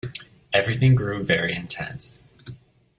Everything grew very intense.